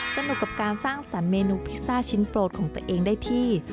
สนุกกับการสร้างสรรคเมนูพิซซ่าชิ้นโปรดของตัวเองได้ที่